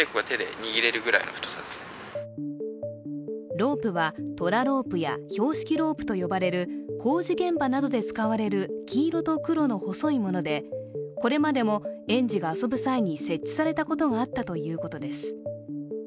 ロープは、トラロープや標識ロープと呼ばれる工事現場などで使われる黄色と黒の細いもので、これまでも園児が遊ぶ際に設置されたことがあったということです。